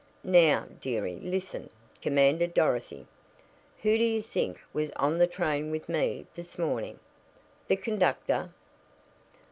"Now, dearie, listen," commanded Dorothy. "Who do you think was on the train with me this morning?" "The conductor?"